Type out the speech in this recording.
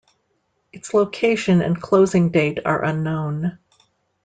Its location and closing date are unknown.